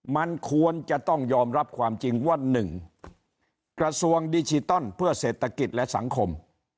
มันควรจะต้องยอมรับความจริงว่า๑กระทรวงดิจิตอลเพื่อเศรษฐกิจและสังคม